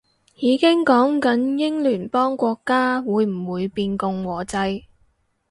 已經講緊英聯邦國家會唔會變共和制